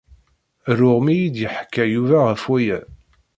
Ruɣ mi iyi-d-yeḥka Yuba ɣef waya.